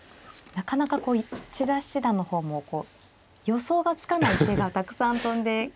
なかなか千田七段の方も予想がつかない手がたくさん飛んできてるような。